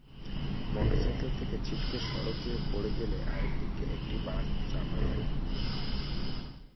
Motorcycle থেকে ছিটকে সড়কে পড়ে গেলে আরিফুরকে একটি বাস চাপা দেয়।